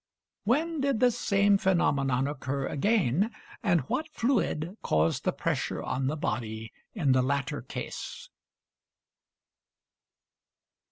When did this same phenomenon occur again, and what fluid caused the pressure on the body in the latter case?